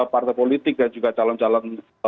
partai politik dan juga calon calon